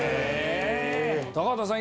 高畑さん